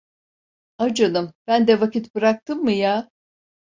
A canım, ben de vakit bıraktım mı ya?